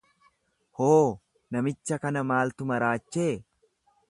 Hoo, namicha kana maaltu maraachee?